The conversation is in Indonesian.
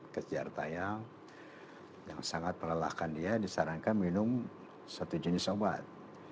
kejar tayang yang sangat melelahkan dia disarankan minum satu jenis obat